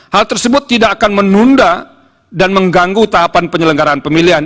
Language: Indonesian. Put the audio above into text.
hal tersebut tidak akan menunda dan mengganggu tahapan penyelenggaraan pemilihan